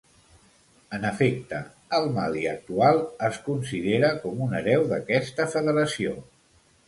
En efecte, el Mali actual es considera com un hereu d'aquesta federació.